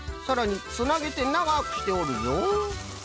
さらにつなげてながくしておるぞ。